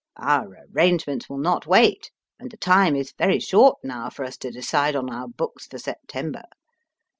* Our arrangements will not wait, and the time is very short now for us to decide on our books for September.